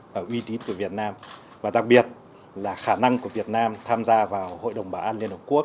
và uy tín của việt nam và đặc biệt là khả năng của việt nam tham gia vào hội đồng bảo an liên hợp quốc